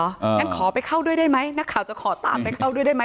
งั้นขอไปเข้าด้วยได้ไหมนักข่าวจะขอตามไปเข้าด้วยได้ไหม